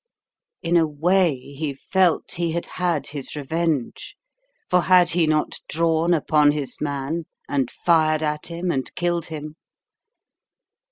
In a way, he felt he had had his revenge; for had he not drawn upon his man, and fired at him and killed him?